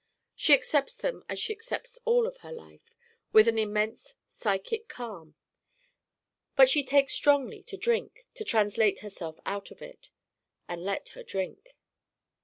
She accepts them as she accepts all of her life, with an immense psychic calm. But she takes strongly to drink to translate herself out of it. And let her drink.